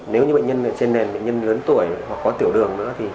nếu như bệnh nhân trên nền bệnh nhân lớn tuổi hoặc có tiểu đường nữa